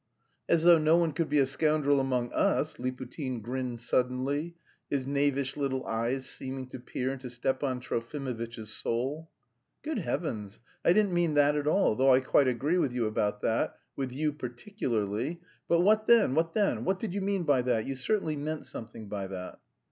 "As though no one could be a scoundrel among us," Liputin grinned suddenly, his knavish little eyes seeming to peer into Stepan Trofimovitch's soul. "Good heavens! I didn't mean that at all... though I quite agree with you about that, with you particularly. But what then, what then? What did you mean by that? You certainly meant something by that."